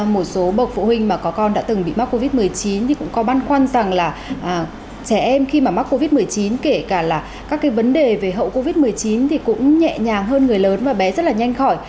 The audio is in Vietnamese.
một số bậc phụ huynh mà có con đã từng bị mắc covid một mươi chín thì cũng có băn khoăn rằng là trẻ em khi mà mắc covid một mươi chín kể cả là các cái vấn đề về hậu covid một mươi chín thì cũng nhẹ nhàng hơn người lớn và bé rất là nhanh khỏi